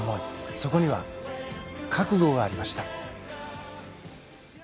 そこには覚悟がありました。